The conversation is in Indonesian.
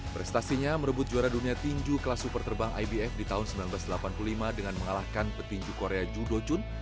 prestasinya merebut juara dunia tinju kelas superterbang ibf di tahun seribu sembilan ratus delapan puluh lima dengan mengalahkan petinju korea joo do joon